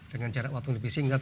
dengan jarak waktu lebih singkat